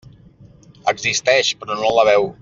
Existeix, però no la veu.